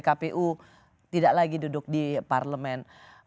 kpu tidak lagi duduk di parlemen